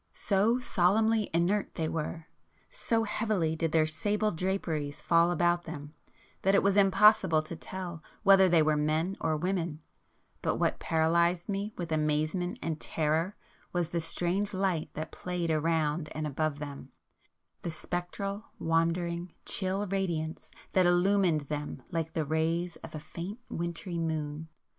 So solemnly inert they were,—so heavily did their sable draperies fall about them that it was impossible to tell whether they were men or women,—but what paralysed me with amazement and terror was the strange light that played around and above them,—the spectral, wandering, chill radiance that illumined them like the rays of a faint wintry moon.